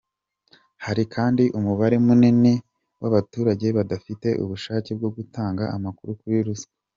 Hari kandi umubare munini w’abaturage badafite ubushake bwo gutanga amakuru kuri ruswa.